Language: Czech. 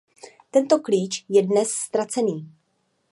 Tento klíč je dnes ztracený.